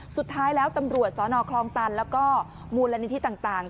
สุดท้ายแล้วตำรวจสนคลองตันแล้วก็มูลนิธิต่าง